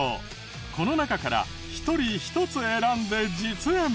この中から１人１つ選んで実演。